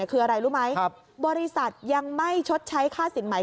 คืออะไรรู้ไหมบริษัทยังไม่ชดใช้ค่าสินใหม่